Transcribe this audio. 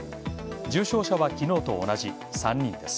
重症者はきのうと同じ３人です。